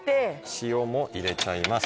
塩も入れちゃいます。